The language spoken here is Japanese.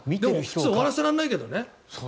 普通終わらせられないけどね。